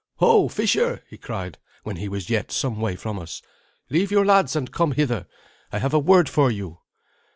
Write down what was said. "Ho, fisher!" he cried, when he was yet some way from us; "leave your lads, and come hither. I have a word for you."